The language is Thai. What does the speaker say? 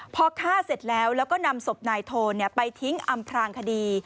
พอฆ่าเสร็จแล้วแล้วก็นำศพนายโทนไปทิ้งอำพลางคดี